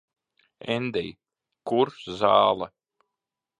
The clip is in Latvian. Endij, kur zāle?